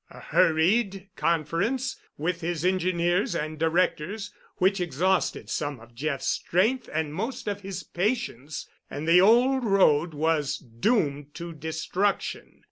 A hurried conference with his engineers and directors, which exhausted some of Jeff's strength and most of his patience, and the old road was doomed to destruction.